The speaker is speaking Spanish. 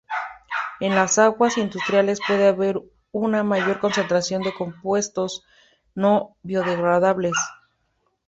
En las aguas industriales puede haber una mayor concentración de compuestos no biodegradables.